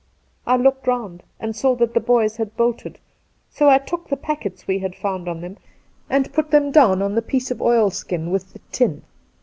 I looked round, and saw that the boys had bolted, so I took the packets we had found on them and put them down on the piece of oilskin with the tin.